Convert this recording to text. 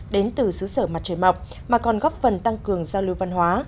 đến từ xứ sở mặt trời mọc mà còn góp phần tăng cường giao lưu văn hóa